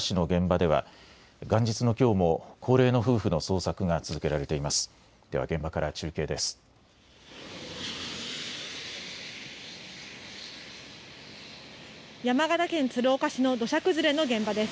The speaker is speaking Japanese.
では現場から中継です。